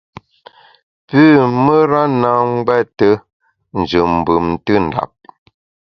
Pü mùra na ngbète njù mbùm ntùndap.